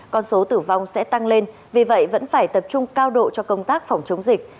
con số tử vong sẽ tăng lên vì vậy vẫn phải tập trung cao độ cho công tác phòng chống dịch